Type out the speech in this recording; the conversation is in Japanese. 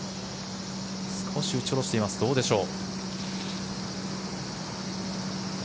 少し打ち下ろしていますどうでしょう。